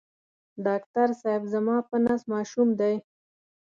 ډاکټر صېب زما په نس ماشوم دی